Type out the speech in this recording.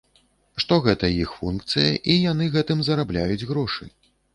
Што гэта іх функцыя і яны гэтым зарабляюць грошы.